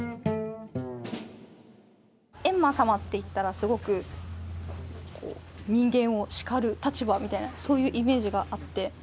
閻魔さまっていったらすごく人間を叱る立場みたいなそういうイメージがあって。